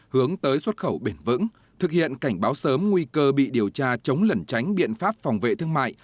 hướng tới xuất khẩu bền vững thực hiện cảnh báo sớm nguy cơ bị điều tra chống lẩn tránh biện pháp phòng vệ thương mại